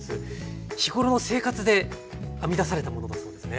日頃の生活で編み出されたものだそうですね。